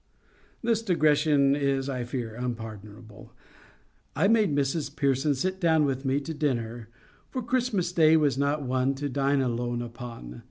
This digression is, I fear, unpardonable. I made Mrs Pearson sit down with me to dinner, for Christmas Day was not one to dine alone upon.